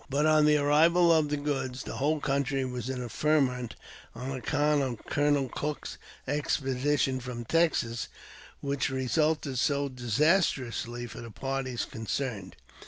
IBut, on the arrival of the goods, the whole country was in a ferment on account of Colonel Cook's expedition from Texas, which resulted so disastrously for the parties concerned.